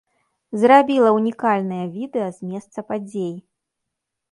Зрабіла ўнікальныя відэа з месца падзей.